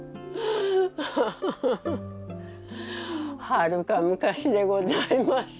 はるか昔でございます。